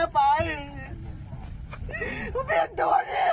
ทุกคนน้ำก็ดีใกล้